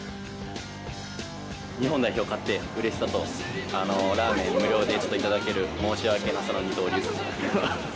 日本代表勝って、うれしさと、ラーメン無料でちょっと頂ける申し訳なさの二刀流です。